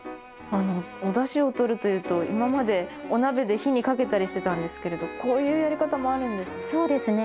おダシをとるというと今までお鍋で火にかけたりしてたんですけれどこういうやり方もあるんですね。